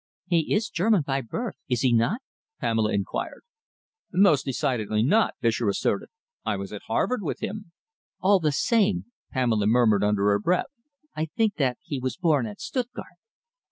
"He is a German by birth, is he not?" Pamela inquired. "Most decidedly not," Fischer asserted. "I was at Harvard with him." "All the same," Pamela murmured under her breath, "I think that he was born at Stuttgart."